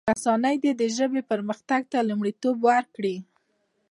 رسنی دي د ژبې پرمختګ ته لومړیتوب ورکړي.